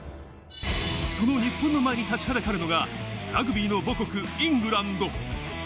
その日本の前に立ちはだかるのがラグビーの母国イングランド。